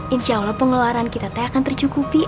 insya allah pengeluaran kita t a a t akan tercukupi a a t